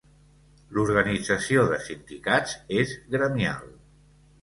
L'organització de sindicats és gremial.